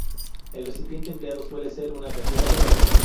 El recipiente empleado suele ser una cazuela de barro.